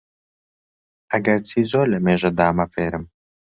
ئەگەرچی زۆر لەمێژە دامە فێرم